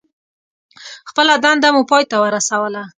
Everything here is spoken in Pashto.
خپله دنده مو پای ته ورسوله.